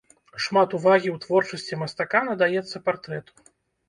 Шмат увагі ў творчасці мастака надаецца партрэту.